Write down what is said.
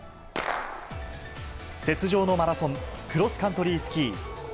雪上のマラソン、クロスカントリースキー。